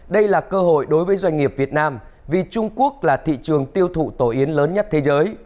đây là cơ hội đối với doanh nghiệp việt nam vì trung quốc là thị trường tiêu thụ tổ yến lớn nhất thế giới